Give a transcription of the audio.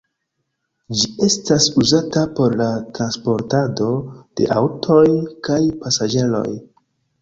Ĝi estas uzata por la transportado de aŭtoj kaj pasaĝeroj.